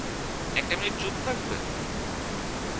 একটা মিনিট চুপ থাকবে?